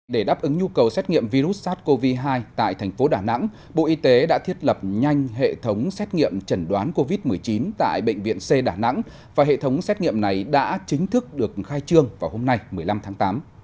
để đáp ứng nhu cầu xét nghiệm virus sars cov hai tại thành phố đà nẵng bộ y tế đã thiết lập nhanh hệ thống xét nghiệm chẩn đoán covid một mươi chín tại bệnh viện c đà nẵng và hệ thống xét nghiệm này đã chính thức được khai trương vào hôm nay một mươi năm tháng tám